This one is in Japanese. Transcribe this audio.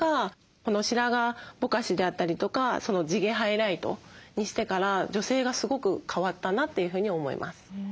この白髪ぼかしであったりとか地毛ハイライトにしてから女性がすごく変わったなというふうに思います。